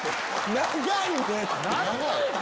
長い？